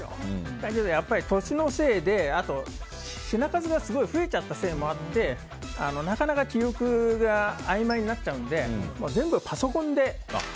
だけどやっぱり歳のせいであと、品数がすごい増えちゃったこともあってなかなか記憶があいまいになっちゃうので全部、パソコンで。